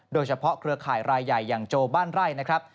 โดยเฉพาะเครือข่ายรายใหญ่อย่างโจบรรไล่นะครับ